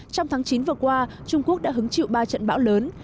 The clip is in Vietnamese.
trong tháng chín vừa qua trung quốc đã hứng chịu ba trận bão lớn